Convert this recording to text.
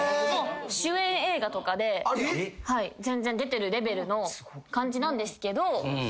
主演映画とかではい出てるレベルの感じなんですけど。